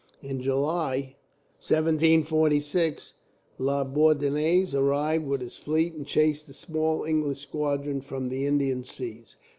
"In July, 1746, La Bourdonnais arrived with his fleet, and chased the small English squadron from the Indian seas.